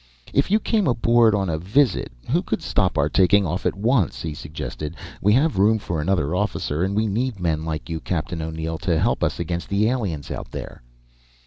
"If you came aboard on a visit, who could stop our taking off at once?" he suggested. "We have room for another officer, and we need men like you, Captain O'Neill, to help us against the aliens out there!"